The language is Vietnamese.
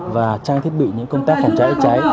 và trang thiết bị những công tác phòng trái chữa cháy